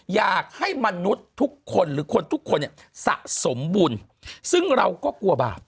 อยากให้มนุษย์ทุกคนหรือคนทุกคนเนี่ยสะสมบุญซึ่งเราก็กลัวบาป